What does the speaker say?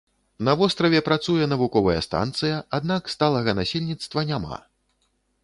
На востраве працуе навуковая станцыя, аднак сталага насельніцтва няма.